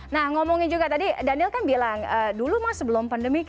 nah ngomongin juga tadi daniel kan bilang dulu mah sebelum pandemi